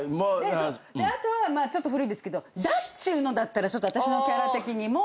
あとはちょっと古いけどだっちゅーのだったら私のキャラ的にも。